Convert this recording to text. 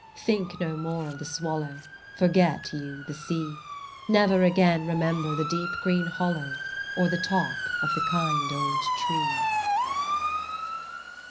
Think no more of the swallow, Forget, you, the sea, Never again remember the deep green hollow Or the top of the kind old tree